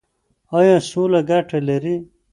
ایا سوله ګټه لري؟